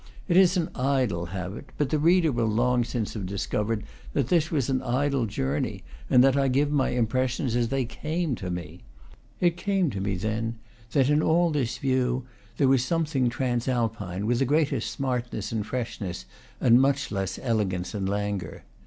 It is an idle habit; but the reader will long since have dis covered that this was an idle journey, and that I give my impressions as they came to me. It came to me, then, that in all this view there was something trans alpine with a greater smartness and freshness and much less elegance and languor.